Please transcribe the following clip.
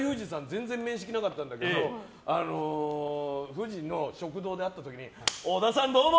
全然面識なかったんだけどフジの食堂で会った時に織田さん、どうも！